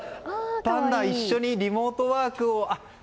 パンダは一緒にリモートワークを。